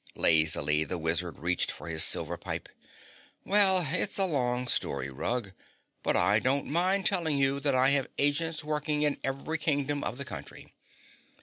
Lazily the wizard reached for his silver pipe. "Well, it's a long story, Rug, but I don't mind telling you that I have agents working in every Kingdom of the country.